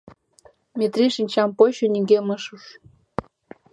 Метрий шинчам почо — нигӧм ыш уж.